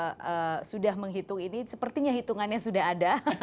kalau dari tiga sudah menghitung ini sepertinya hitungannya sudah ada